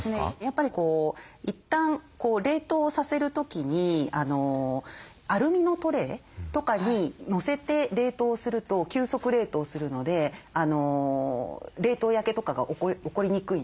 やっぱり一旦冷凍させる時にアルミのトレーとかに載せて冷凍すると急速冷凍するので冷凍焼けとかが起こりにくいんですね。